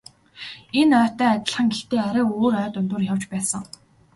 Энэ ойтой адилхан гэхдээ арай өөр ой дундуур явж байсан.